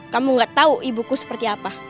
kamu gak tahu ibuku seperti apa